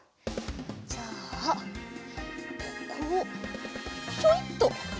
じゃあここをひょいっと。